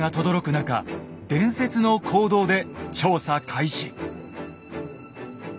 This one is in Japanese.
中伝説の坑道で調査開始。